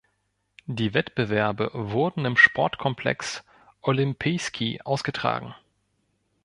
Die Wettbewerbe wurden im Sportkomplex Olimpijski ausgetragen.